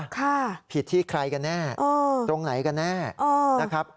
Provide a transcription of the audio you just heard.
ค่ะผิดที่ใครกันแน่ตรงไหนกันแน่นะครับ